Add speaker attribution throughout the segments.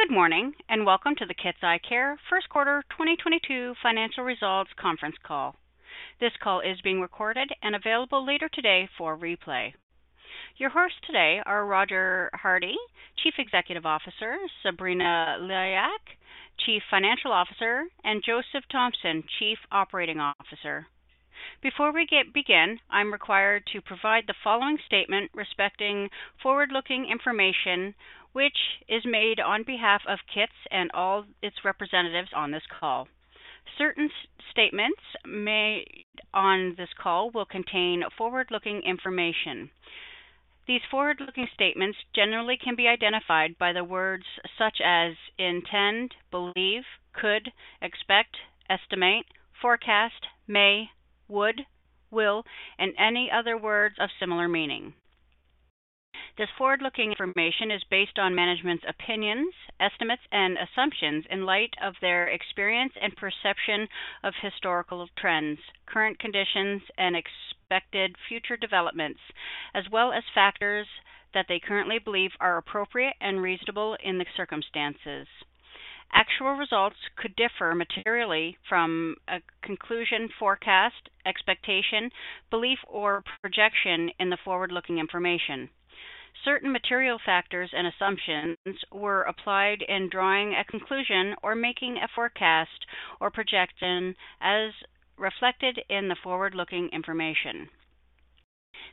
Speaker 1: Good morning, welcome to the Kits Eyecare first quarter 2022 financial results conference call. This call is being recorded and available later today for replay. Your hosts today are Roger Hardy, Chief Executive Officer, Sabrina Liak, Chief Financial Officer, and Joseph Thompson, Chief Operating Officer. Before we get begin, I'm required to provide the following statement respecting forward-looking information which is made on behalf of Kits and all its representatives on this call. Certain statements made on this call will contain forward-looking information. These forward-looking statements generally can be identified by the words such as intend, believe, could, expect, estimate, forecast, may, would, will, and any other words of similar meaning. This forward-looking information is based on management's opinions, estimates, and assumptions in light of their experience and perception of historical trends, current conditions, and expected future developments, as well as factors that they currently believe are appropriate and reasonable in the circumstances. Actual results could differ materially from a conclusion, forecast, expectation, belief, or projection in the forward-looking information. Certain material factors and assumptions were applied in drawing a conclusion or making a forecast or projection as reflected in the forward-looking information.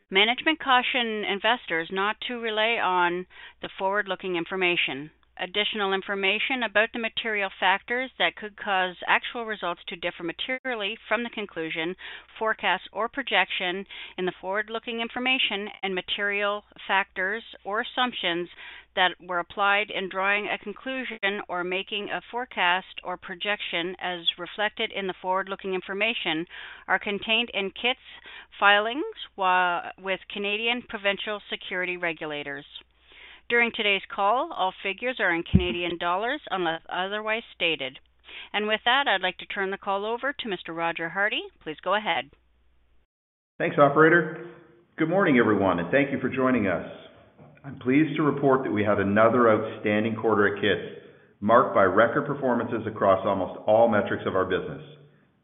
Speaker 1: Management caution investors not to rely on the forward-looking information. Additional information about the material factors that could cause actual results to differ materially from the conclusion, forecast, or projection in the forward-looking information and material factors or assumptions that were applied in drawing a conclusion or making a forecast or projection as reflected in the forward-looking information are contained in Kits filings with Canadian provincial security regulators. During today's call, all figures are in Canadian dollars unless otherwise stated. With that, I'd like to turn the call over to Mr. Roger Hardy. Please go ahead.
Speaker 2: Thanks, operator. Good morning, everyone, and thank you for joining us. I'm pleased to report that we had another outstanding quarter at Kits, marked by record performances across almost all metrics of our business.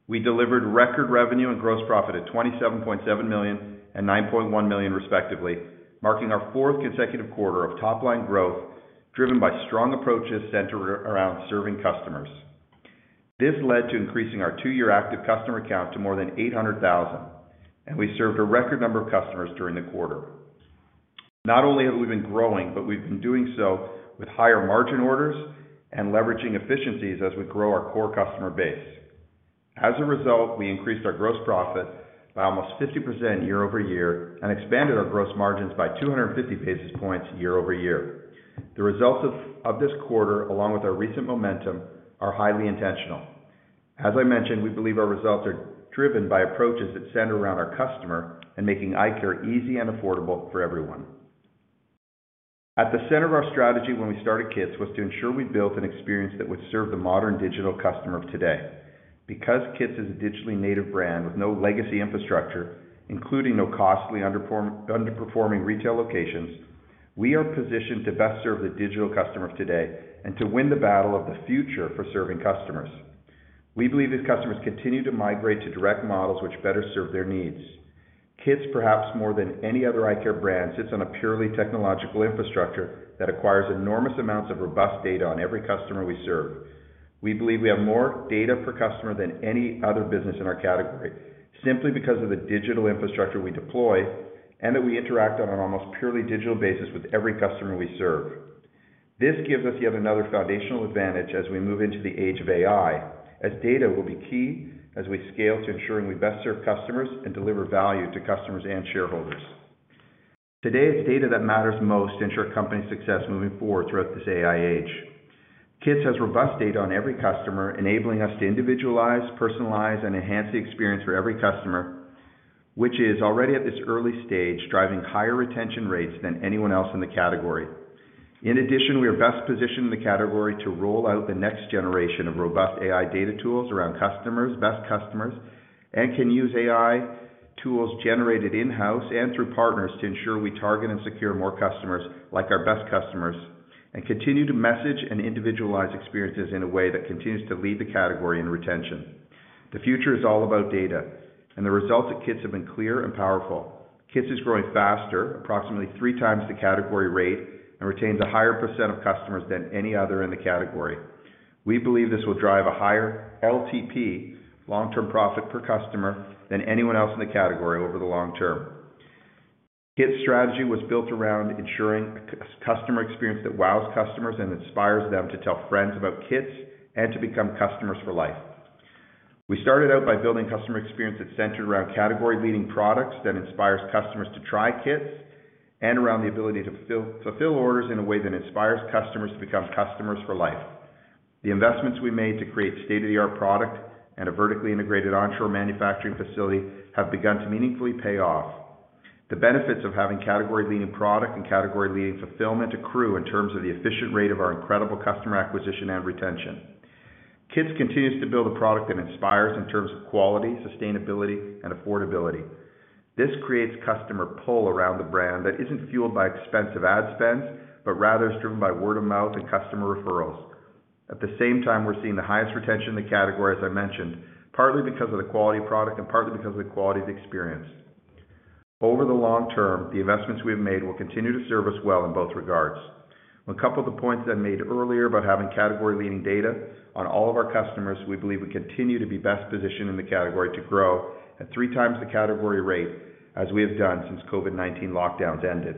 Speaker 2: We delivered record revenue and gross profit at 27.7 million and 9.1 million, respectively, marking our fourth consecutive quarter of top-line growth driven by strong approaches centered around serving customers. This led to increasing our two-year active customer count to more than 800,000, and we served a record number of customers during the quarter. Not only have we been growing, but we've been doing so with higher margin orders and leveraging efficiencies as we grow our core customer base. As a result, we increased our gross profit by almost 50% year-over-year and expanded our gross margins by 250 basis points year-over-year. The results of this quarter, along with our recent momentum, are highly intentional. As I mentioned, we believe our results are driven by approaches that center around our customer and making eyecare easy and affordable for everyone. At the center of our strategy when we started Kits was to ensure we built an experience that would serve the modern digital customer of today. Because Kits is a digitally native brand with no legacy infrastructure, including no costly underperforming retail locations, we are positioned to best serve the digital customer of today and to win the battle of the future for serving customers. We believe these customers continue to migrate to direct models which better serve their needs. Kits, perhaps more than any other eyecare brand, sits on a purely technological infrastructure that acquires enormous amounts of robust data on every customer we serve. We believe we have more data per customer than any other business in our category, simply because of the digital infrastructure we deploy and that we interact on an almost purely digital basis with every customer we serve. This gives us yet another foundational advantage as we move into the age of AI, as data will be key as we scale to ensuring we best serve customers and deliver value to customers and shareholders. Today, it's data that matters most to ensure company success moving forward throughout this AI age. Kits has robust data on every customer, enabling us to individualize, personalize, and enhance the experience for every customer, which is already at this early stage, driving higher retention rates than anyone else in the category. In addition, we are best positioned in the category to roll out the next generation of robust AI data tools around customers, best customers, and can use AI tools generated in-house and through partners to ensure we target and secure more customers like our best customers and continue to message and individualize experiences in a way that continues to lead the category in retention. The future is all about data, and the results at Kits have been clear and powerful. Kits is growing faster, approximately 3 times the category rate, and retains a higher percent of customers than any other in the category. We believe this will drive a higher LTP, long-term profit per customer, than anyone else in the category over the long term. Kits strategy was built around ensuring a customer experience that wows customers and inspires them to tell friends about Kits and to become customers for life. We started out by building customer experience that's centered around category-leading products that inspires customers to try Kits and around the ability to fulfill orders in a way that inspires customers to become customers for life. The investments we made to create state-of-the-art product and a vertically integrated onshore manufacturing facility have begun to meaningfully pay off. The benefits of having category-leading product and category-leading fulfillment accrue in terms of the efficient rate of our incredible customer acquisition and retention. Kits continues to build a product that inspires in terms of quality, sustainability, and affordability. This creates customer pull around the brand that isn't fueled by expensive ad spends, but rather is driven by word of mouth and customer referrals. At the same time, we're seeing the highest retention in the category, as I mentioned, partly because of the quality of product and partly because of the quality of the experience. Over the long term, the investments we have made will continue to serve us well in both regards. When a couple of the points that I made earlier about having category-leading data on all of our customers, we believe we continue to be best positioned in the category to grow at 3 times the category rate as we have done since COVID-19 lockdowns ended.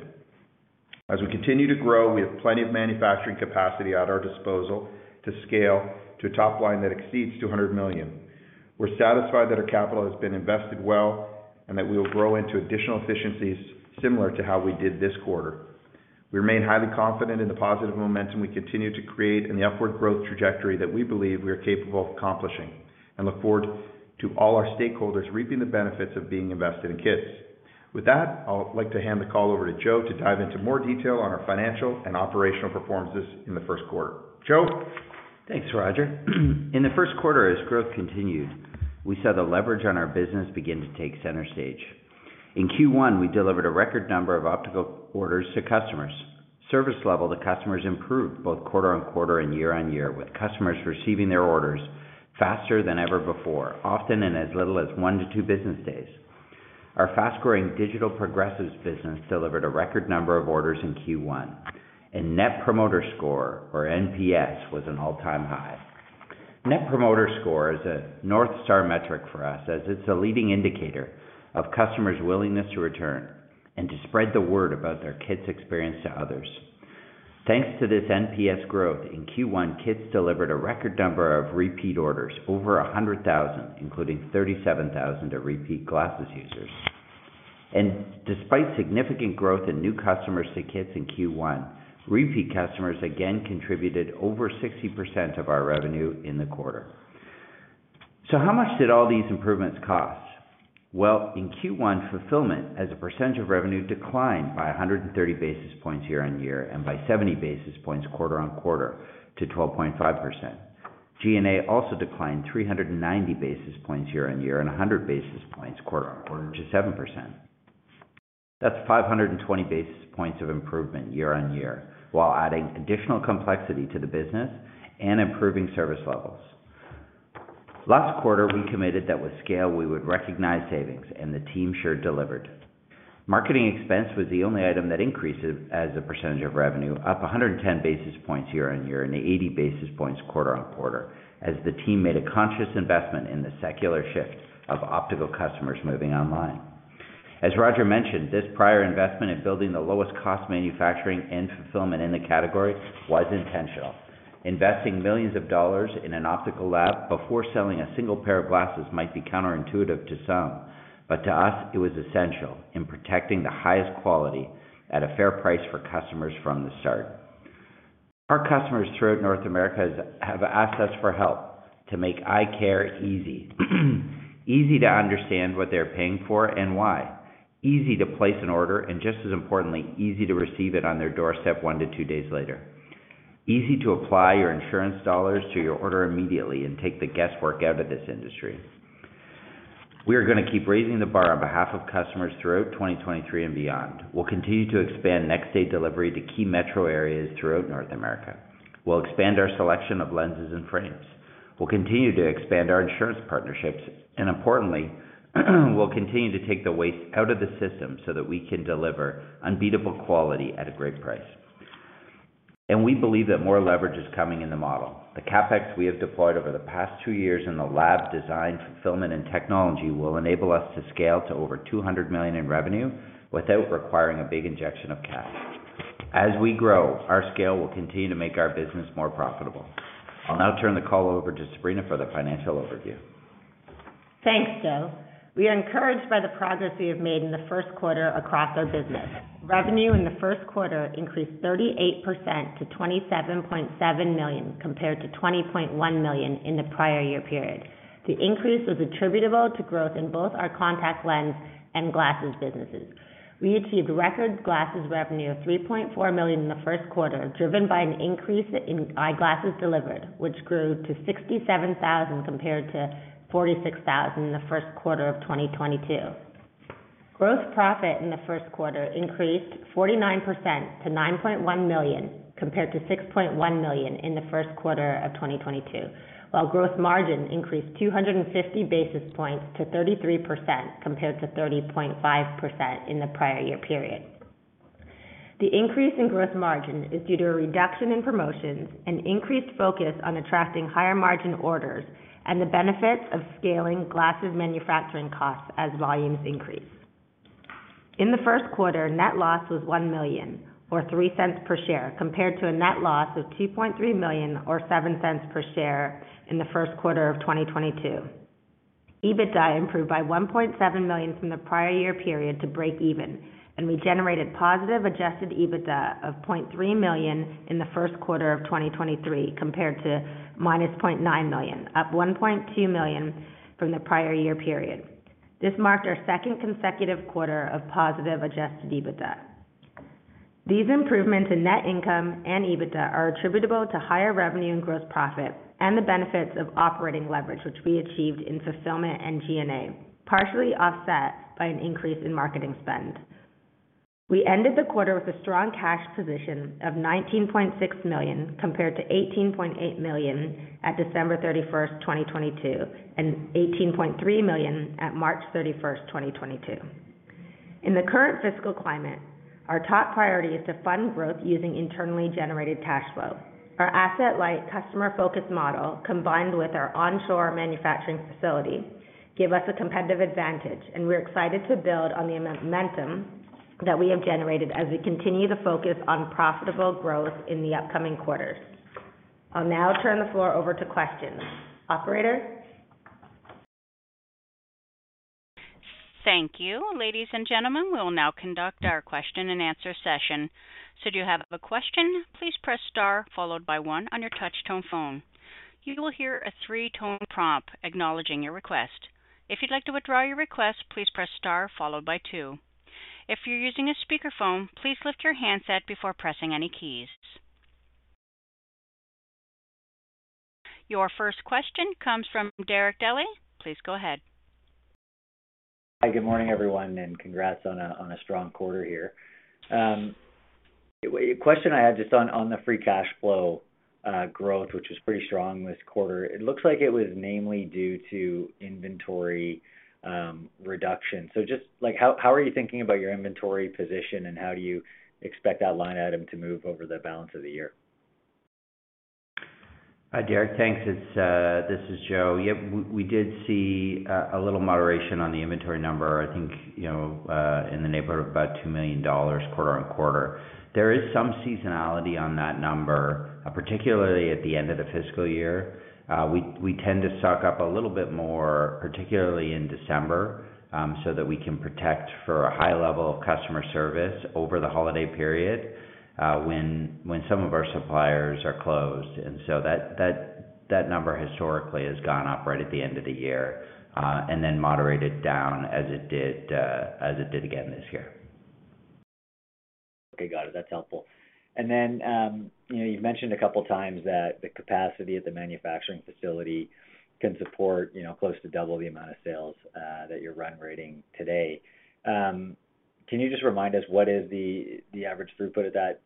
Speaker 2: As we continue to grow, we have plenty of manufacturing capacity at our disposal to scale to a top line that exceeds 200 million. We're satisfied that our capital has been invested well and that we will grow into additional efficiencies similar to how we did this quarter. We remain highly confident in the positive momentum we continue to create and the upward growth trajectory that we believe we are capable of accomplishing, and look forward to all our stakeholders reaping the benefits of being invested in Kits. With that, I'll like to hand the call over to Joe to dive into more detail on our financial and operational performances in the first quarter. Joe?
Speaker 3: Thanks, Roger. In the first quarter, as growth continued, we saw the leverage on our business begin to take center stage. In Q1, we delivered a record number of optical orders to customers. Service level to customers improved both quarter-on-quarter and year-on-year, with customers receiving their orders faster than ever before, often in as little as one to two business days. Our fast-growing digital progressives business delivered a record number of orders in Q1, and net promoter score, or NPS, was an all-time high. Net promoter score is a North Star metric for us as it's a leading indicator of customers' willingness to return and to spread the word about their Kits experience to others. Thanks to this NPS growth, in Q1, Kits delivered a record number of repeat orders, over 100,000, including 37,000 to repeat glasses users. Despite significant growth in new customers to Kits in Q1, repeat customers again contributed over 60% of our revenue in the quarter. How much did all these improvements cost? Well, in Q1, fulfillment as a percentage of revenue declined by 130 basis points year-on-year and by 70 basis points quarter-on-quarter to 12.5%. G&A also declined 390 basis points year-on-year and 100 basis points quarter-on-quarter to 7%. That's 520 basis points of improvement year-on-year while adding additional complexity to the business and improving service levels. Last quarter, we committed that with scale, we would recognize savings, and the team sure delivered. Marketing expense was the only item that increased as a percentage of revenue, up 110 basis points year-over-year and 80 basis points quarter-over-quarter as the team made a conscious investment in the secular shift of optical customers moving online. As Roger Hardy mentioned, this prior investment in building the lowest cost manufacturing and fulfillment in the category was intentional. Investing millions of dollars in an optical lab before selling a single pair of glasses might be counterintuitive to some, but to us, it was essential in protecting the highest quality at a fair price for customers from the start. Our customers throughout North America have asked us for help to make eyecare easy. Easy to understand what they're paying for and why. Easy to place an order, and just as importantly, easy to receive it on their doorstep 1 to 2 days later. Easy to apply your insurance dollars to your order immediately and take the guesswork out of this industry. We are gonna keep raising the bar on behalf of customers throughout 2023 and beyond. We'll continue to expand next day delivery to key metro areas throughout North America. We'll expand our selection of lenses and frames. We'll continue to expand our insurance partnerships, and importantly, we'll continue to take the waste out of the system so that we can deliver unbeatable quality at a great price. We believe that more leverage is coming in the model. The CapEx we have deployed over the past two years in the lab design, fulfillment, and technology will enable us to scale to over 200 million in revenue without requiring a big injection of cash. As we grow, our scale will continue to make our business more profitable. I'll now turn the call over to Sabrina for the financial overview.
Speaker 4: Thanks, Joe. We are encouraged by the progress we have made in the first quarter across our business. Revenue in the first quarter increased 38% to 27.7 million, compared to 20.1 million in the prior year period. The increase was attributable to growth in both our contact lens and glasses businesses. We achieved record glasses revenue of 3.4 million in the first quarter, driven by an increase in eyeglasses delivered, which grew to 67,000 compared to 46,000 in the first quarter of 2022. Gross profit in the first quarter increased 49% to 9.1 million, compared to 6.1 million in the first quarter of 2022, while gross margin increased 250 basis points to 33%, compared to 30.5% in the prior year period. The increase in gross margin is due to a reduction in promotions, an increased focus on attracting higher margin orders, and the benefits of scaling glasses manufacturing costs as volumes increase. In the first quarter, net loss was 1 million or 0.03 per share, compared to a net loss of 2.3 million or 0.07 per share in the first quarter of 2022. EBITDA improved by 1.7 million from the prior year period to break even, and we generated positive adjusted EBITDA of 0.3 million in the first quarter of 2023 compared to -0.9 million, up 1.2 million from the prior year period. This marked our second consecutive quarter of positive adjusted EBITDA. These improvements in net income and EBITDA are attributable to higher revenue and gross profit and the benefits of operating leverage, which we achieved in fulfillment and G&A, partially offset by an increase in marketing spend. We ended the quarter with a strong cash position of 19.6 million compared to 18.8 million at December 31, 2022, and 18.3 million at March 31, 2022. In the current fiscal climate, our top priority is to fund growth using internally generated cash flow. Our asset-light, customer-focused model, combined with our onshore manufacturing facility, give us a competitive advantage, and we're excited to build on the momentum that we have generated as we continue to focus on profitable growth in the upcoming quarters. I'll now turn the floor over to questions. Operator?
Speaker 1: Thank you. Ladies and gentlemen, we will now conduct our question and answer session. If you have a question, please press star followed by one on your touch tone phone. You will hear a 3-tone prompt acknowledging your request. If you'd like to withdraw your request, please press star followed by two. If you're using a speakerphone, please lift your handset before pressing any keys. Your first question comes from Derek Dley. Please go ahead.
Speaker 5: Hi, good morning everyone. Congrats on a strong quarter here. A question I had just on the free cash flow growth, which was pretty strong this quarter. It looks like it was namely due to inventory reduction. Just like how are you thinking about your inventory position, and how do you expect that line item to move over the balance of the year?
Speaker 3: Hi, Derek. Thanks. It's, this is Joe. Yep, we did see a little moderation on the inventory number, I think, you know, in the neighborhood of about 2 million dollars quarter-over-quarter. There is some seasonality on that number, particularly at the end of the fiscal year. We tend to stock up a little bit more, particularly in December, so that we can protect for a high level of customer service over the holiday period, when some of our suppliers are closed. That number historically has gone up right at the end of the year, and then moderated down as it did again this year.
Speaker 5: Okay. Got it. That's helpful. You know, you've mentioned a couple of times that the capacity of the manufacturing facility can support, you know, close to double the amount of sales, that you're run rating today. Can you just remind us what is the average throughput of that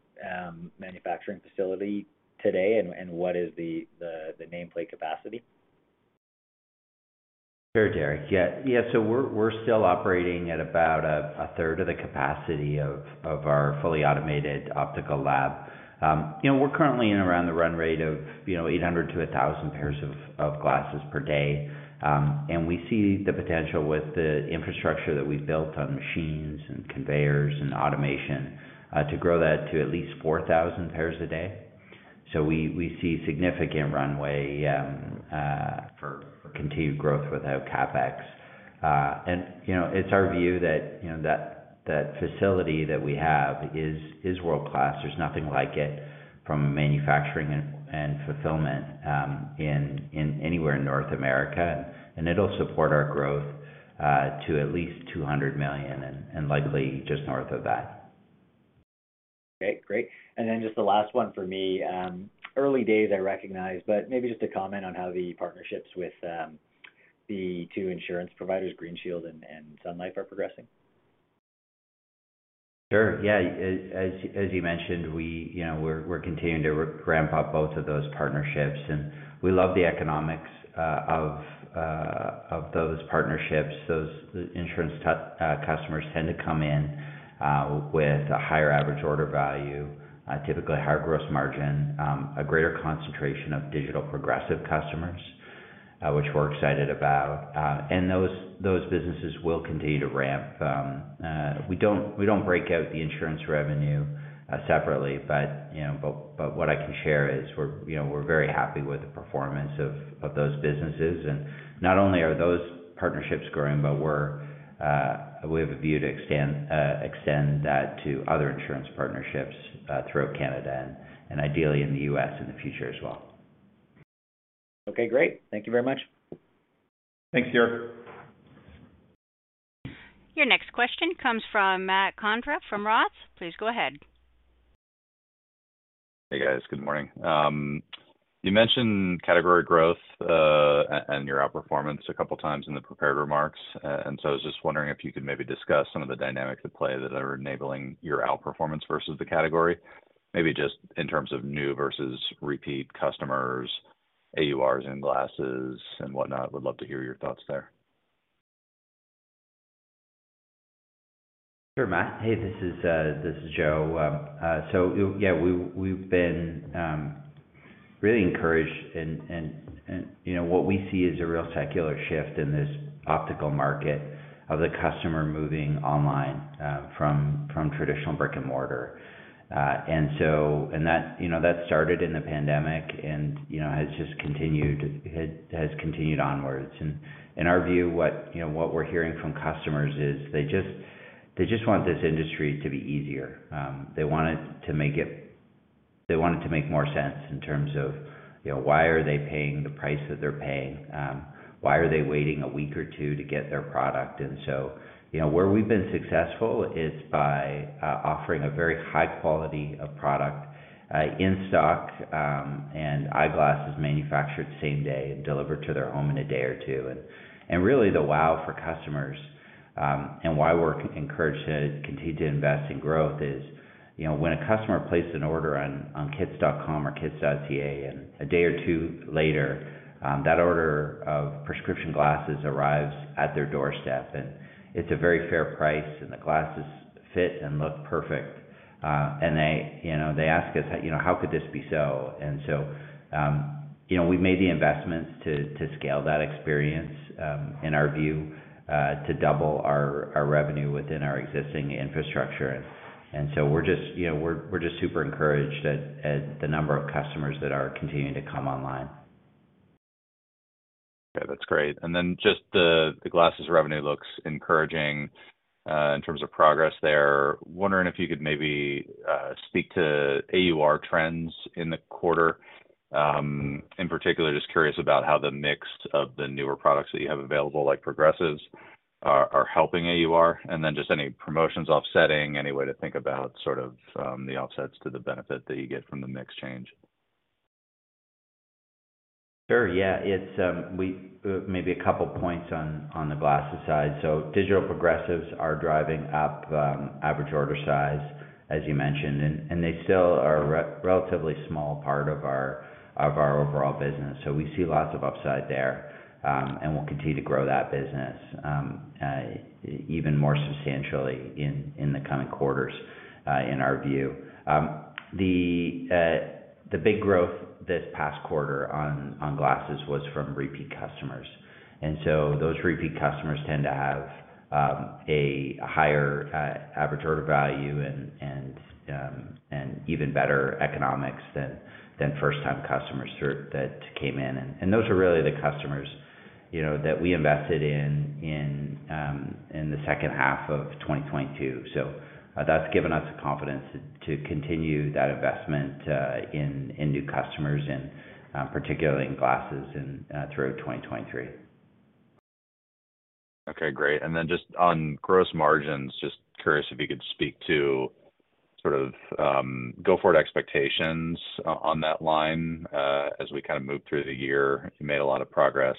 Speaker 5: manufacturing facility today and what is the nameplate capacity?
Speaker 3: Sure, Derek. We're still operating at about a third of the capacity of our fully automated optical lab. You know, we're currently in around the run rate of, you know, 800 to 1,000 pairs of glasses per day. We see the potential with the infrastructure that we've built on machines and conveyors and automation to grow that to at least 4,000 pairs a day. We see significant runway for continued growth without CapEx. You know, it's our view that, you know, that facility that we have is world-class. There's nothing like it from a manufacturing and fulfillment in anywhere in North America. It'll support our growth to at least 200 million and likely just north of that.
Speaker 5: Great. Just the last one for me, early days I recognize, but maybe just a comment on how the partnerships with the two insurance providers, GreenShield and Sun Life are progressing.
Speaker 3: Sure. Yeah. As you mentioned, we, you know, we're continuing to ramp up both of those partnerships, and we love the economics of those partnerships. Those insurance customers tend to come in with a higher average order value, typically higher gross margin, a greater concentration of digital progressive customers, which we're excited about. Those businesses will continue to ramp. We don't break out the insurance revenue separately, but, you know, what I can share is we're, you know, very happy with the performance of those businesses. Not only are those partnerships growing, but we have a view to extend that to other insurance partnerships throughout Canada and ideally in the U.S. in the future as well.
Speaker 5: Okay, great. Thank you very much.
Speaker 3: Thanks, Derek.
Speaker 1: Your next question comes from Matt Koranda from ROTH. Please go ahead.
Speaker 6: Hey, guys. Good morning. You mentioned category growth, and your outperformance a couple times in the prepared remarks. I was just wondering if you could maybe discuss some of the dynamics at play that are enabling your outperformance versus the category, maybe just in terms of new versus repeat customers, AURs in glasses and whatnot. Would love to hear your thoughts there.
Speaker 3: Sure, Matt. Hey, this is Joe. Yeah, we've been really encouraged and you know, what we see is a real secular shift in this optical market of the customer moving online from traditional brick and mortar. That, you know, that started in the pandemic and, you know, has just continued, has continued onwards. In our view, what, you know, what we're hearing from customers is they just want this industry to be easier. They want it to make more sense in terms of, you know, why are they paying the price that they're paying? Why are they waiting a week or two to get their product? You know, where we've been successful is by offering a very high quality of product in stock, and eyeglasses manufactured same day and delivered to their home in a day or two. Really the wow for customers, and why we're encouraged to continue to invest in growth is, you know, when a customer places an order on kits.com or kits.ca, and a day or two later, that order of prescription glasses arrives at their doorstep, and it's a very fair price, and the glasses fit and look perfect. They, you know, they ask us, you know, "How could this be so?" You know, we've made the investments to scale that experience in our view, to double our revenue within our existing infrastructure. We're just, you know, we're just super encouraged at the number of customers that are continuing to come online.
Speaker 6: Okay, that's great. Just the glasses revenue looks encouraging in terms of progress there. Wondering if you could maybe speak to AUR trends in the quarter? In particular, just curious about how the mix of the newer products that you have available, like progressives are helping AUR, and then just any promotions offsetting, any way to think about sort of the offsets to the benefit that you get from the mix change?
Speaker 3: Sure. Yeah. It's Maybe a couple points on the glasses side. Digital progressives are driving up average order size, as you mentioned, and they still are relatively small part of our overall business. We see lots of upside there, and we'll continue to grow that business even more substantially in the coming quarters, in our view. The big growth this past quarter on glasses was from repeat customers. Those repeat customers tend to have a higher average order value and even better economics than first-time customers that came in. Those are really the customers, you know, that we invested in the second half of 2022. That's given us the confidence to continue that investment in new customers and particularly in glasses and throughout 2023.
Speaker 6: Okay, great. Just on gross margins, just curious if you could speak to sort of, go forward expectations on that line, as we kind of move through the year? You made a lot of progress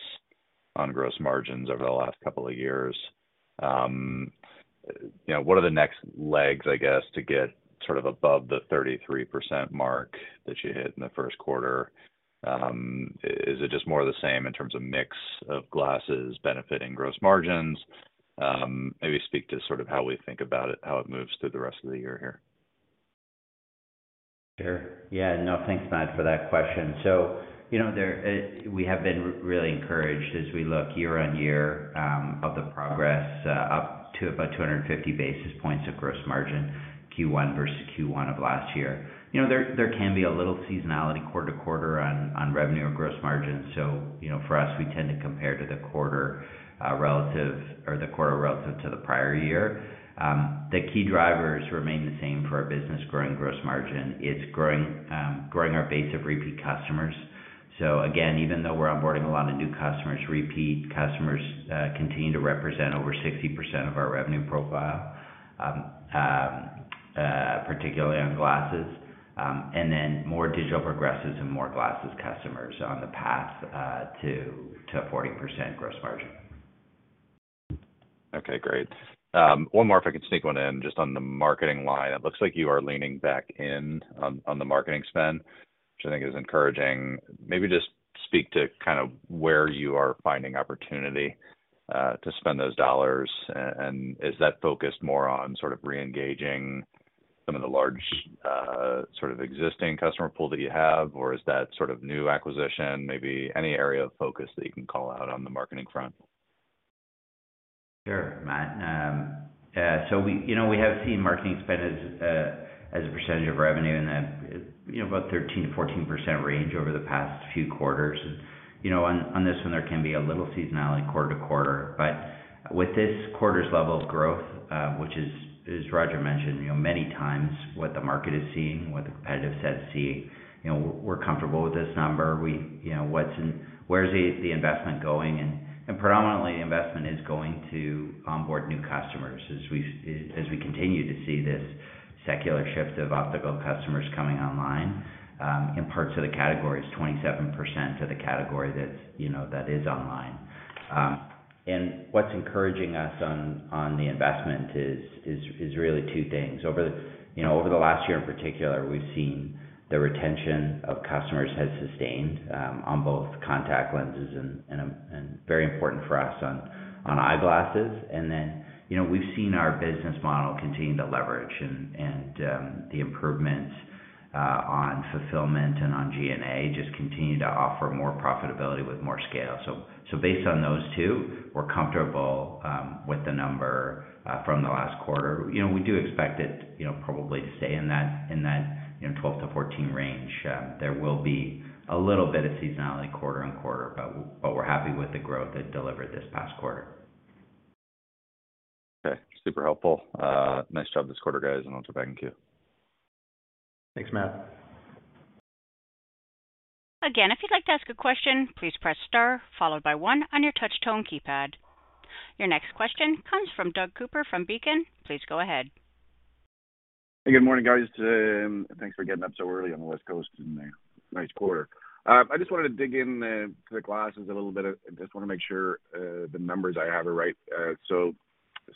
Speaker 6: on gross margins over the last couple of years. You know, what are the next legs, I guess, to get sort of above the 33% mark that you hit in the first quarter? Is it just more of the same in terms of mix of glasses benefiting gross margins? Maybe speak to sort of how we think about it, how it moves through the rest of the year here?
Speaker 3: Sure. Yeah. No, thanks, Matt, for that question. You know, there, we have been really encouraged as we look year-on-year, of the progress, up to about 250 basis points of gross margin Q1 versus Q1 of last year. You know, there can be a little seasonality quarter-to-quarter on revenue or gross margin. You know, for us, we tend to compare to the quarter relative or the quarter relative to the prior year. The key drivers remain the same for our business growing gross margin. It's growing our base of repeat customers. Again, even though we're onboarding a lot of new customers, repeat customers, continue to represent over 60% of our revenue profile, particularly on glasses, and then more digital progressives and more glasses customers on the path, to a 40% gross margin.
Speaker 6: Okay, great. one more if I could sneak one in, just on the marketing line. It looks like you are leaning back in on the marketing spend, which I think is encouraging. Maybe just speak to kind of where you are finding opportunity to spend those dollars, and is that focused more on sort of re-engaging some of the large, existing customer pool that you have? Or is that sort of new acquisition, maybe any area of focus that you can call out on the marketing front?
Speaker 3: Sure, Matt. We, you know, we have seen marketing spend as a percentage of revenue in that, you know, about 13%-14% range over the past few quarters. You know, on this one, there can be a little seasonality quarter to quarter. With this quarter's level of growth, which is, as Roger mentioned, you know, many times what the market is seeing, what the competitive set is seeing, you know, we're comfortable with this number. We, you know, where's the investment going, and predominantly investment is going to onboard new customers as we continue to see this secular shift of optical customers coming online in parts of the category. It's 27% of the category that's, you know, that is online. What's encouraging us on the investment is really two things. Over the, you know, over the last year in particular, we've seen the retention of customers has sustained, on both contact lenses and very important for us on eyeglasses. You know, we've seen our business model continue to leverage and, the improvements, on fulfillment and on G&A just continue to offer more profitability with more scale. Based on those two, we're comfortable, with the number, from the last quarter. You know, we do expect it, you know, probably to stay in that, you know, 12-14 range. There will be a little bit of seasonality quarter on quarter, but we're happy with the growth that delivered this past quarter.
Speaker 6: Okay, super helpful. Nice job this quarter, guys, I'll turn it back in queue.
Speaker 3: Thanks, Matt.
Speaker 1: Again, if you'd like to ask a question, please press Star, followed by one on your touch tone keypad. Your next question comes from Doug Cooper from Beacon. Please go ahead.
Speaker 7: Hey, good morning, guys. Thanks for getting up so early on the West Coast and nice quarter. I just wanted to dig in to the glasses a little bit. I just wanna make sure the numbers I have are right.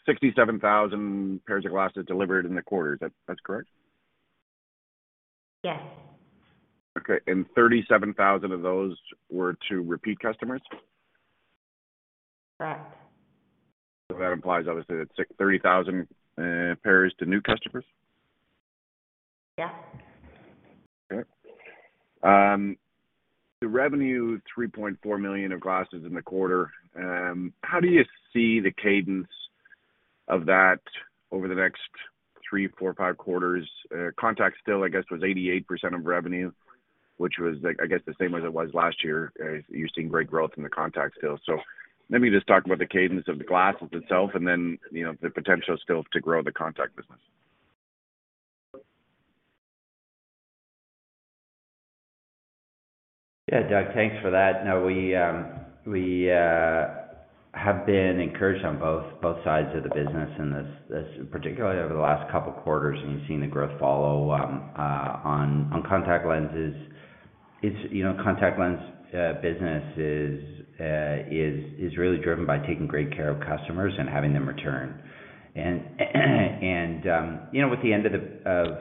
Speaker 7: 67,000 pairs of glasses delivered in the quarter. That's correct?
Speaker 4: Yes.
Speaker 7: Okay. 37,000 of those were to repeat customers?
Speaker 4: Correct.
Speaker 7: That implies, obviously, that 30,000 pairs to new customers.
Speaker 4: Yeah.
Speaker 7: Okay. The revenue, 3.4 million of glasses in the quarter, how do you see the cadence of that over the next 3, 4, 5 quarters? Contacts still, I guess, was 88% of revenue, which was, like, I guess the same as it was last year. You're seeing great growth in the contacts still. Let me just talk about the cadence of the glasses itself and then, you know, the potential still to grow the contact business.
Speaker 3: Yeah. Doug, thanks for that. We have been encouraged on both sides of the business, and this particularly over the last couple quarters, and you've seen the growth follow on contact lenses. You know, contact lens business is really driven by taking great care of customers and having them return. You know, with the end of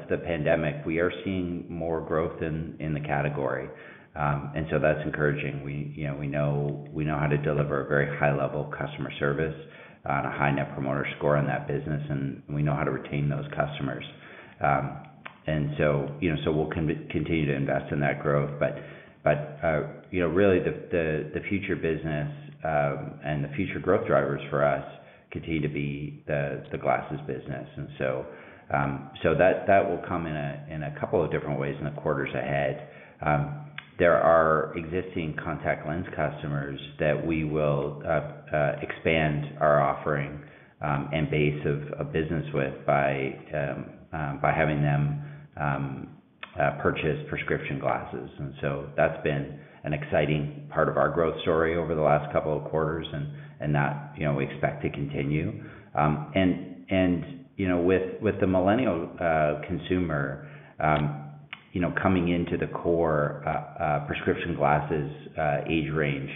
Speaker 3: the pandemic, we are seeing more growth in the category. That's encouraging. We know how to deliver a very high level of customer service on a high net promoter score in that business, and we know how to retain those customers. We'll continue to invest in that growth. You know, really the future business, and the future growth drivers for us continue to be the glasses business. That will come in a couple of different ways in the quarters ahead. There are existing contact lens customers that we will expand our offering and base of business with by having them purchase prescription glasses. That's been an exciting part of our growth story over the last couple of quarters and that, you know, we expect to continue. You know, with the millennial consumer, you know, coming into the core prescription glasses age range,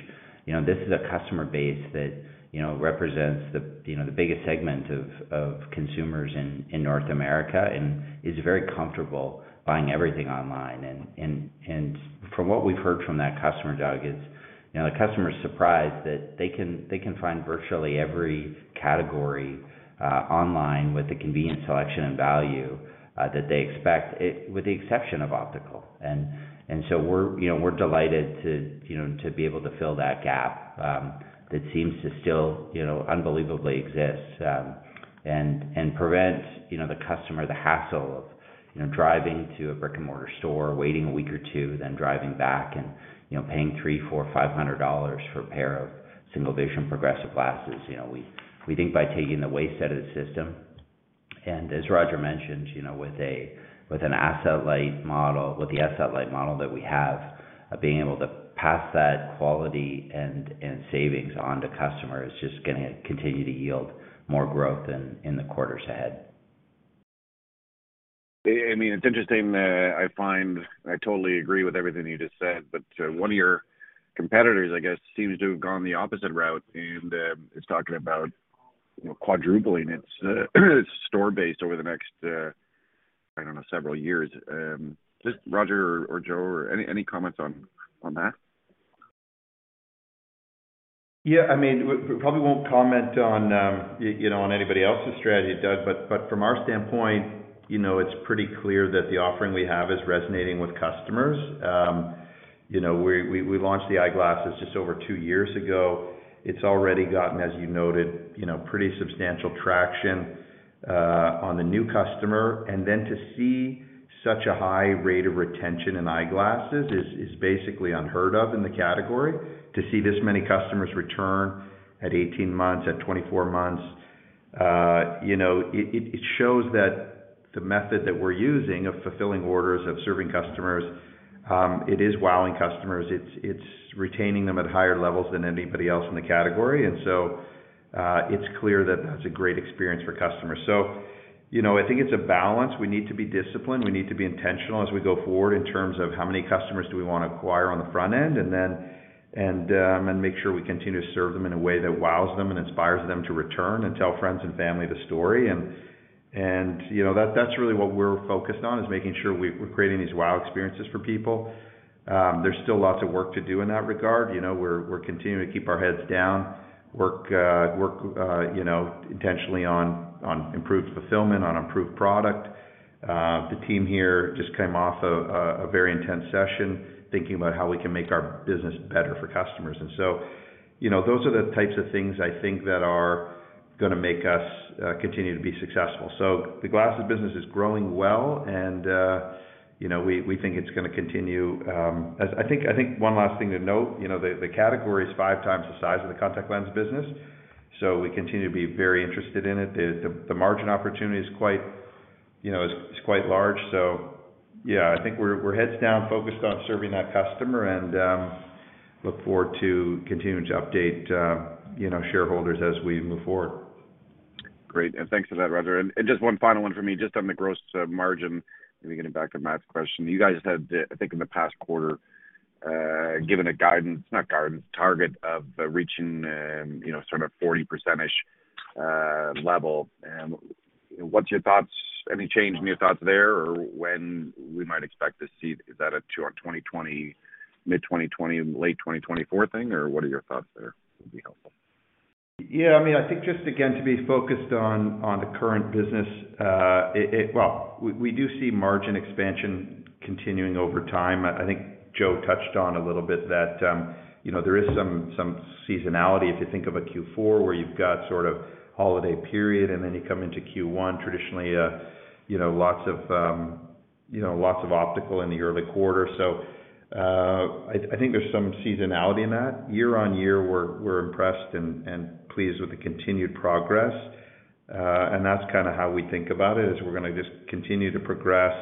Speaker 3: you know, this is a customer base that, you know, represents the, you know, the biggest segment of consumers in North America and is very comfortable buying everything online. From what we've heard from that customer, Doug, it's, you know, the customer is surprised that they can find virtually every category online with the convenient selection and value that they expect it, with the exception of optical. So we're, you know, we're delighted to, you know, to be able to fill that gap, that seems to still, you know, unbelievably exist, and prevent, you know, the customer the hassle of, you know, driving to a brick-and-mortar store, waiting a week or two, then driving back and, you know, paying 300, 400, 500 dollars for a pair of single vision progressive glasses. You know, we think by taking the waste out of the system, and as Roger mentioned, you know, with an asset-light model, with the asset-light model that we have, being able to pass that quality and savings on to customers is just gonna continue to yield more growth in the quarters ahead.
Speaker 7: I mean, it's interesting, I find, I totally agree with everything you just said. One of your competitors, I guess, seems to have gone the opposite route and, is talking about, you know, quadrupling its, store base over the next, I don't know, several years. Just Roger or Joe, any comments on that?
Speaker 2: Yeah. I mean, we probably won't comment on, you know, on anybody else's strategy, Doug, but from our standpoint, you know, it's pretty clear that the offering we have is resonating with customers. You know, we launched the eyeglasses just over 2 years ago. It's already gotten, as you noted, you know, pretty substantial traction on the new customer. To see such a high rate of retention in eyeglasses is basically unheard of in the category. To see this many customers return at 18 months, at 24 months, you know, it shows that the method that we're using of fulfilling orders, of serving customers, it is wowing customers. It's retaining them at higher levels than anybody else in the category. It's clear that that's a great experience for customers. You know, I think it's a balance. We need to be disciplined, we need to be intentional as we go forward in terms of how many customers do we wanna acquire on the front end, and then, and make sure we continue to serve them in a way that wows them and inspires them to return and tell friends and family the story. You know, that's really what we're focused on, is making sure we're creating these wow experiences for people. There's still lots of work to do in that regard. You know, we're continuing to keep our heads down, work, you know, intentionally on improved fulfillment, on improved product. The team here just came off a very intense session thinking about how we can make our business better for customers. You know, those are the types of things I think that are gonna make us continue to be successful. The glasses business is growing well, and, you know, we think it's gonna continue. I think one last thing to note, you know, the category is 5 times the size of the contact lens business, so we continue to be very interested in it. The margin opportunity is quite You know, is quite large. Yeah, I think we're heads down focused on serving that customer and look forward to continuing to update, you know, shareholders as we move forward.
Speaker 7: Great. Thanks for that, Roger. Just one final one for me, just on the gross margin. Maybe getting back to Matt's question. You guys had, I think in the past quarter, given a guidance, not guidance, target of reaching, you know, sort of 40%-ish level. What's your thoughts? Any change in your thoughts there or when we might expect to see... Is that a 2 on 2020, mid-2020, late 2024 thing, or what are your thoughts there would be helpful.
Speaker 2: Yeah, I mean, I think just again, to be focused on the current business, well, we do see margin expansion continuing over time. I think Joe touched on a little bit that, you know, there is some seasonality if you think of a Q4, where you've got sort of holiday period, and then you come into Q1, traditionally, you know, lots of optical in the early quarter. I think there's some seasonality in that. Year on year, we're impressed and pleased with the continued progress. That's kinda how we think about it, is we're gonna just continue to progress,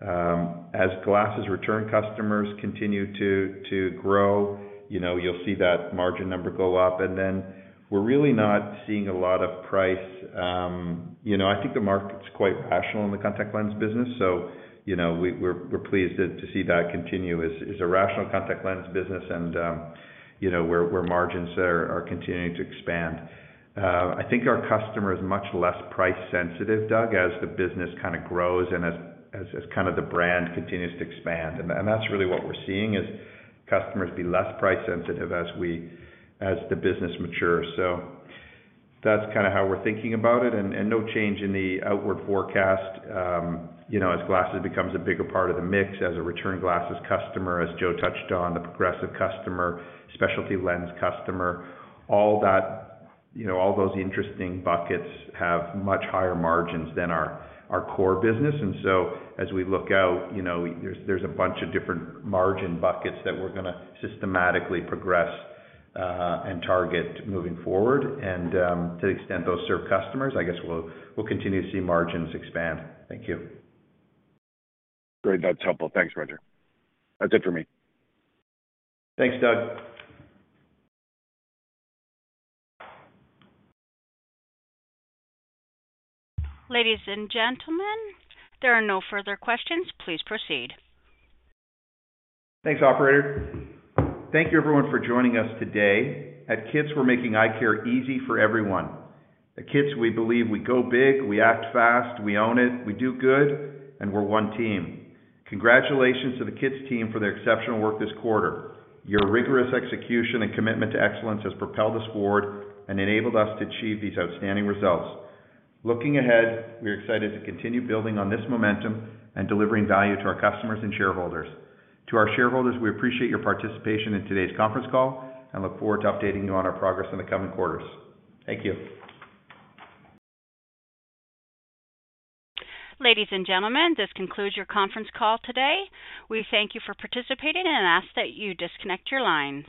Speaker 2: as glasses return customers continue to grow. You know, you'll see that margin number go up. We're really not seeing a lot of price. You know, I think the market's quite rational in the contact lens business, so, you know, we're pleased to see that continue as a rational contact lens business and, you know, where margins are continuing to expand. I think our customer is much less price sensitive, Doug, as the business kinda grows and as kind of the brand continues to expand. That's really what we're seeing is customers be less price sensitive as the business matures. That's kinda how we're thinking about it, and no change in the outward forecast, you know, as glasses becomes a bigger part of the mix, as a return glasses customer, as Joe touched on, the progressive customer, specialty lens customer, all that, you know, all those interesting buckets have much higher margins than our core business. As we look out, you know, there's a bunch of different margin buckets that we're gonna systematically progress and target moving forward. To the extent those serve customers, I guess we'll continue to see margins expand. Thank you.
Speaker 7: Great. That's helpful. Thanks, Roger. That's it for me.
Speaker 2: Thanks, Doug.
Speaker 1: Ladies and gentlemen, there are no further questions. Please proceed.
Speaker 2: Thanks, operator. Thank you everyone for joining us today. At Kits, we're making eye care easy for everyone. At Kits we believe we go big, we act fast, we own it, we do good, and we're one team. Congratulations to the Kits team for their exceptional work this quarter. Your rigorous execution and commitment to excellence has propelled us forward and enabled us to achieve these outstanding results. Looking ahead, we're excited to continue building on this momentum and delivering value to our customers and shareholders. To our shareholders, we appreciate your participation in today's conference call and look forward to updating you on our progress in the coming quarters. Thank you.
Speaker 1: Ladies and gentlemen, this concludes your conference call today. We thank you for participating and ask that you disconnect your lines.